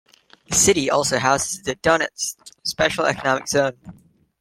The city also houses the "Donetsk" special economic zone.